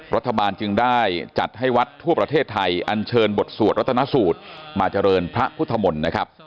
รัฐบาลจึงได้จัดให้วัดทั่วประเทศไทยอันเชิญบทสวดรัตนสูตรมาเจริญพระพุทธมนตร์นะครับ